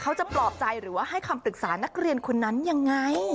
ปลอบใจหรือว่าให้คำปรึกษานักเรียนคนนั้นยังไง